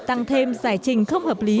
tăng thêm giải trình không hợp lý